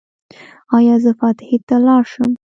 ایا زه فاتحې ته لاړ شم؟